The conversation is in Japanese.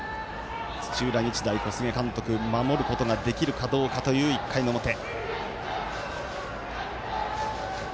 土浦日大、小菅監督守ることができるかどうかという１回の表。